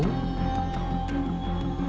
nói với nạn nhân